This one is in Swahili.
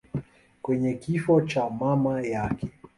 kwenye kifo cha mama yake.